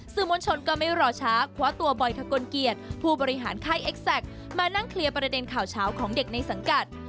มวลชนก็ไม่รอช้าคว้าตัวบอยทะกลเกียรติผู้บริหารค่ายเอ็กแซคมานั่งเคลียร์ประเด็นข่าวเช้าของเด็กในสังกัด